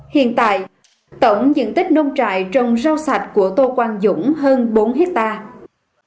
hiện tại tổng diện tích nông trại trồng rau sạch của tô quang dũng hơn bốn hectare